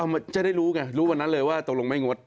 มันจะได้รู้ไงรู้วันนั้นเลยว่าตกลงไม่งด